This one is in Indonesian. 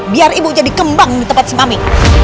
biar ibu jadi kembang di tempat si mami